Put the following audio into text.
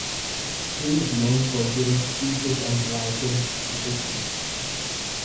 He is known for giving speeches and writing petitions.